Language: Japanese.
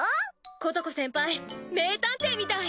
ことこ先輩名探偵みたい。